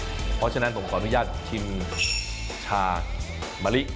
เพราะฉะนั้นผมขออนุญาตชิมชามะลิ